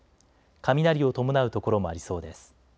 雷を伴う所もありそうです。